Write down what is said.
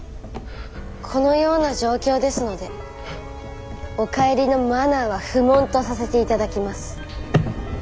このような状況ですのでお帰りの「マナー」は不問とさせていただきます。